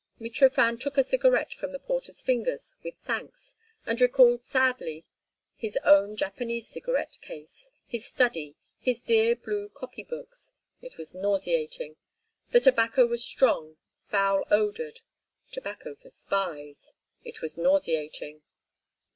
Mitrofan took a cigarette from the porter's fingers with thanks, and recalled sadly his own Japanese cigarette case, his study, his dear blue copy books. It was nauseating. The tobacco was strong, foul odoured—tobacco for spies. It was nauseating.